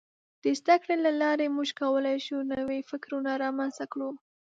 د زدهکړې له لارې موږ کولای شو نوي فکرونه رامنځته کړو.